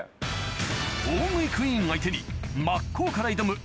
大食いクイーン相手に真っ向から挑む